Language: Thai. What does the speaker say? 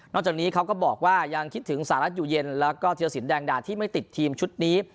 จากนี้เขาก็บอกว่ายังคิดถึงสหรัฐอยู่เย็นแล้วก็ธิรสินแดงดาที่ไม่ติดทีมชุดนี้